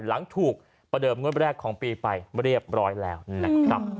หลังถูกประเดิมงวดแรกของปีไปเรียบร้อยแล้วนะครับ